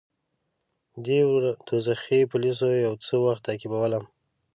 دې دوږخي پولیسو یو څه وخت تعقیبولم.